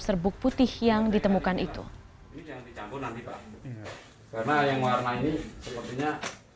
serbuk putih yang ditemukan itu yang dicampur nanti pak karena yang warna ini sepertinya